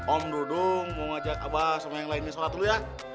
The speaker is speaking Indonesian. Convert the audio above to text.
om duduk mau ngajak abah sama yang lainnya sholat dulu ya